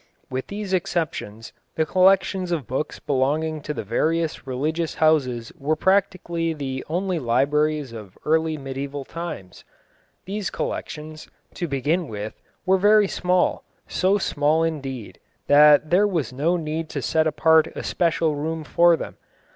With these exceptions, the collections of books belonging to the various religious houses were practically the only libraries of early mediæval times. These collections, to begin with, were very small; so small, indeed, that there was no need to set apart a special room for them.